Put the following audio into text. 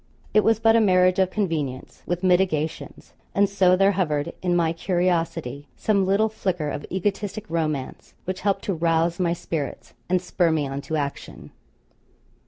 It was but a marriage of convenience, with mitigations. And so there hovered in my curiosity some little flicker of egotistic romance, which helped to rouse my spirits, and spur me on to action.